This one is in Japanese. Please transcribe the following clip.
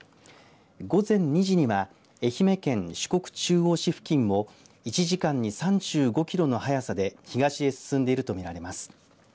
午前２時には愛媛県四国中央市付近を１時間に３５キロの速さで東へ進んでいるとみられます。